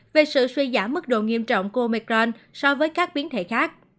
về sự suy giảm mức độ nghiêm trọng của micron so với các biến thể khác